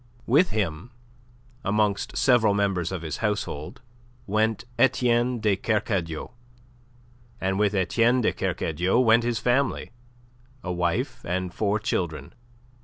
With him, amongst several members of his household went Etienne de Kercadiou, and with Etienne de Kercadiou went his family, a wife and four children.